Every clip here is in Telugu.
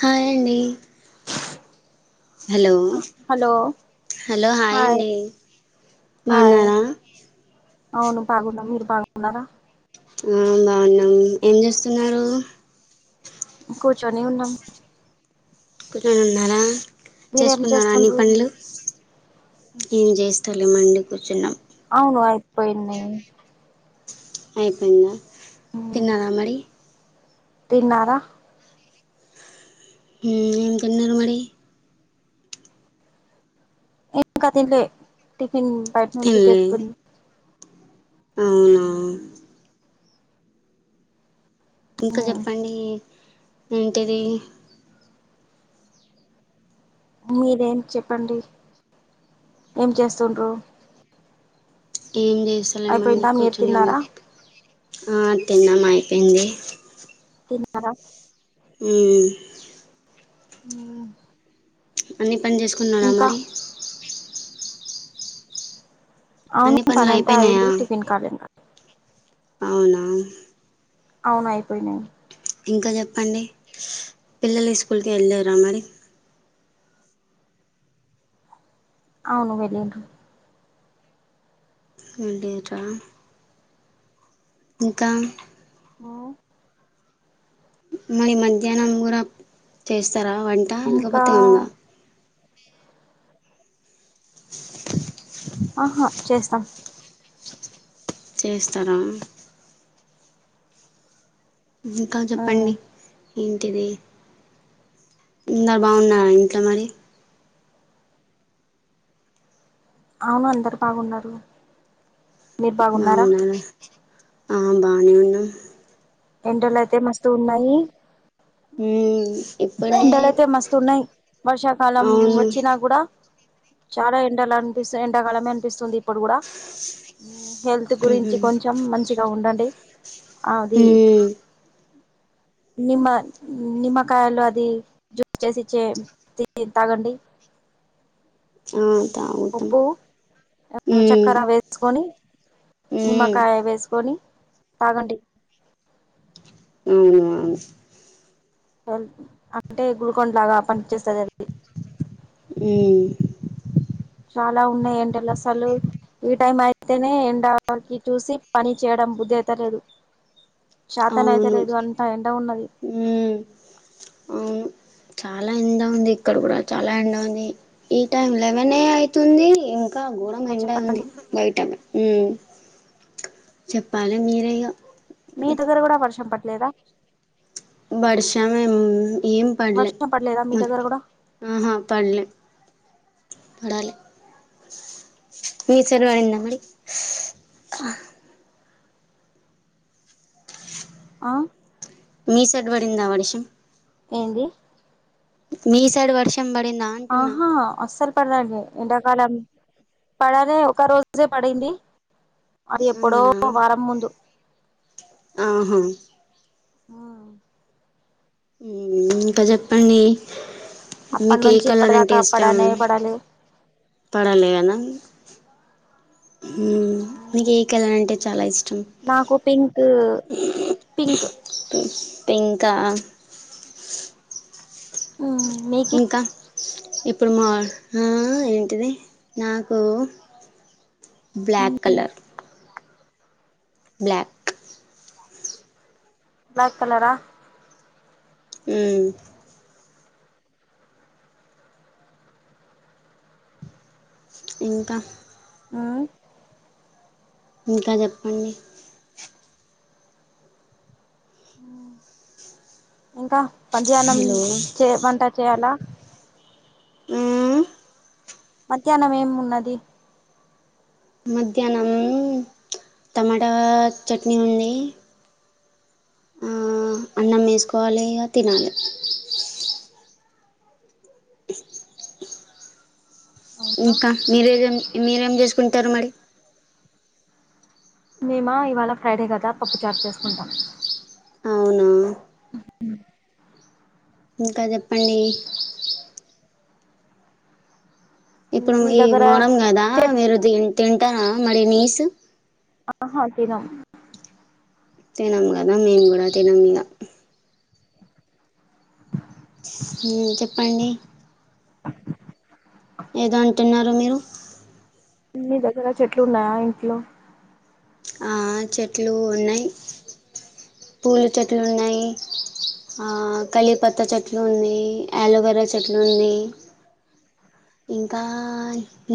హాయ్ అండి హలో హలో హలో హాయ్ అండి హాయ్ బాగున్నారా అవును బాగున్నా మీరు బాగున్నారా ఉం బాగున్నాం ఏం చేస్తున్నారు కూర్చొనే ఉన్నాం కూర్చని ఉన్నారా మీరేం చేసుకున్నారా అన్ని చేస్తుండ్రు పనులు ఏం చేస్తలే మండి కూర్చున్నాం అవును అయిపోయింది అయిపోయిందా ఉమ్, తిన్నరా మరి తిన్నారా ఉం ఏం తిన్నారు మరి ఇంకా తినలే టిఫెన్ బయట నుంచి తినలే తెచ్చుకొని అవునా ఇంకా ఉమ్, చెప్పండి ఏ ఏంటిది మీరేం చెప్పండి ఏం చేస్తుండ్రూ ఏం చేస్తలే మండి అయిపోయిందా మీరు కూర్చున్నాం తిన్నారా ఆ తిన్నాం అయిపోయింది తిన్నారా ఉం ఉం అన్నీ పని చేసుకున్నారా ఇంకా మరి అన్ని అవును పనులు పనంతా అయిపోయినాయా అయంది టిఫిన్ కాలే ఇంకా అవునా అవున అయిపోయినాయి ఇంకా చెప్పండి పిల్లలు ఈస్కూల్కి వెళ్ళరా మరి అవును వెళ్ళిరూ ఏండరా [unintelligible] ఇంకా హా మరి మధ్యాహ్నం కూడా చేస్తారా వంట ఇంకా లేకపోతే ఉందా ఆహా చేస్తాం చేస్తారా ఇంకా ఉమ్, చెప్పండి ఏంటిది అంతా బాగున్నారా ఇంట్లో మరి అవును అందరు బాగున్నారు మీరు బాగున్నారా బాగున్నారు ఆ బానే ఉన్నాం ఎండలైతే మస్తుగున్నాయి మ్మ్ ఇప్పుడే ఎండలైతే మస్తున్నాయి వర్షాకాలం అవును వచ్చినా కూడా చాలా ఎండలు అనిపిస్తాయ్ ఎండకాలమే అనిపిస్తుంది ఇప్పుడు కూడా హెల్త్ గురించి మ్మ్ కొంచెం మంచిగా ఉండండి ఆది మ్మ్. నిమ నిమ కాయలది జ్యూస్ చేసి ఇచ్చ తాగండి అత ఉప్పు చెక్కరెవె వేస్కొని మ్మ్ నిమ్మకాయ వేసుకొని తాగండి అవునువును అంటే గుల్కొండ లాగా పనిచేస్తదాని హ్మ్ చాలా ఉన్నాయండలసలు ఈ టైం అయితేనే ఎండాకి చూసి పని చేయడం బుద్ధి అయితలేదు చేతన అయితే అవును లేదు అంత ఎందగా ఉన్నది మ్మ్ ఎ ఉంది ఇక్కడ కూడా చాలా ఎండ ఉంది ఈ టైమ్ లెవెన్ ఏ అయితుంది ఇంకా ఘరం ఇంకా ఎండ ఉంది చెప్పండి బయ్టమ ఆ చెప్పాలి మీరే ఇగ మీ దగ్గర కూడా వర్షం పట్లేదా వారం ఏం ఎం వర్షం పడలేదా మీ పడ్లేఆ దగ్గర కూడా ఆహా పడ్లే పడాలే మీ సైడ్ పడిందా మరి ఆ మీ సెడ్ పడిందా వర్షం ఏంది మీసైడ్ వర్షం పడిందా అంటున్నా ఆహా అస్సలు పడ్లేదు ఎండాకాలం పడాలే ఒక రోజే పడింది అది ఎప్పుడో అవునా వారం ముందు ఆహా ఆ ఇంకా చెప్పండి అప్పటి మీకు ఏ నుంచి కలర్ అంటే ఇప్పటిదాకా ఇష్టం పడనే పడాలి పడాలే అనా ఆ మీకు ఉమ్, ఏ కలర్ అంటే చాలా ఇష్టం నాకు పింక్ పింక్ ఇంకా ఆ మీ ఇంకా ఇప్పుడు మా ఆ ఏంటిది నాకు ఉమ్, బ్లక్ కలర్ బ్ల్యాక్ బ్లాక్ కలరా ఆ ఇంకా ఆ ఇంకా చెప్పండి ఇంకా మాధ్యానం హలో చే వంట చేయాలా మ్మ్ మధ్యాహ్నంమేం ఉన్నది మధ్యాహ్నం టమాటా చట్నీ ఉంది. ఆ అన్నం చేసుకోవాలి తినాలి. అవునా ఇంకా మీరేేం మీరేం చేసుకుంటారు మరి? మేమా ఇవాళ ఫ్రైడే కదా పప్పు చారూ చేసుకుంటాం. అవునా ఇంకా చెప్పండి ఇప్పుడు మీ ఈ దగ్గర మొహర్రం కదా చెట్ మీరు తింటారా మరి నీస్. ఆహా తినం తినం కదా మేము కూడా తినం ఇగ చెప్పండి ఏదో అంటున్నారు మీరు. మీ దగ్గర చెట్లు ఉన్నాయా ఇంట్లో? ఆ చెట్లు ఉన్నాయి. పూల చెట్లు ఉన్నాయి. ఆ కళీపత్త చెట్లు ఉన్నాయి అలోవేరా చెట్లు ఉన్నాయి. ఇంకా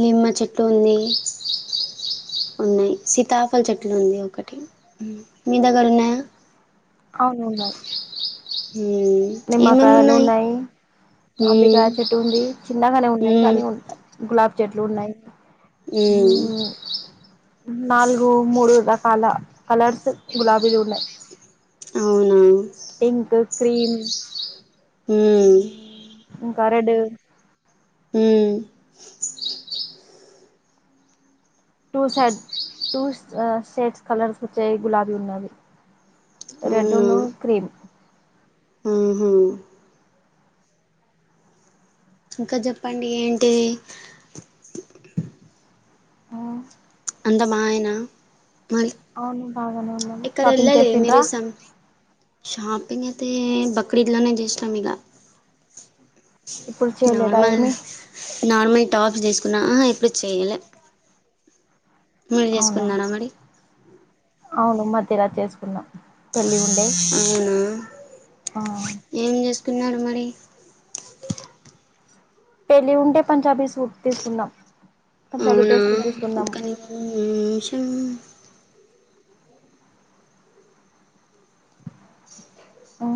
నిమ్మ చెట్టు ఉంది. ఉన్నాయి. సీతాఫల్ చెట్టు ఉంది ఒకటి. మీ దగ్గర ఉన్నాయా? అవును ఉన్నాయి. ఉమ్ ఏమేమి నిమ్మకాయలు ఉన్నాయి. ఉమ్ మామిడికాయ చెట్టు ఉంది. చిన్నగానే ఉన్నాయి కానీ ఉమ్ గులాబి చెట్లు ఉన్నాయి. మ్ నాలుగు, మూడు రకాల కలర్స్ గులాబీలు ఉన్నాయి. అవునా ఇంకో క్రీమ్ మ్ ఇంకా రెడ్ మ్ two side two shades colours వచ్చే గులాబీలు ఉన్నవి. రెడ్డును క్రీమ్ మ్ హూ ఇంకా చెప్పండి ఏంటిది? మ్ అంత బా ఆయన మళ్ళీ. అవును బాగానే ఉన్నాను ఎక్కడ షాపింగ్ వెళ్ళాలి చేసిండ్రా మీరు సం షాపింగ్ అయితే బక్రీద్లోనే చేసినాం ఇగ ఇప్పుడు చేయలేదా నార్మల్ ఏమి నార్మల్ టాప్స్ తీసుకున్నా ఎప్పుడూ చేయలే. మీరు అవునా, చేసుకున్నారా మరి అవును మధ్యలో ఇలా చేసుకున్నాం. పెళ్ళి ఉండే అవునా, ఏం చేసుకున్నారు మరి? పెళ్ళి ఉంటే పంజాబీ సూట్ తీసుకున్నాము. పంజాబీ డ్రెస్లు తీసుకున్నాము. వేషం అ